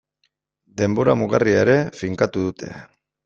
Denbora mugarria ere finkatu dute.